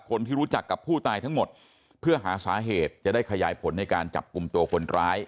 คนที่รู้จักกับผู้ตายทั้งหมดเพื่อหาสาเหตุจะได้ขยายผลในการจับกลุ่มตัวคนร้าย